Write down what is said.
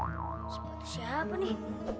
sepatunya siapa nih